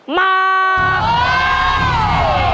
หมัก